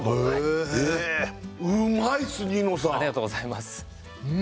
ええっありがとうございます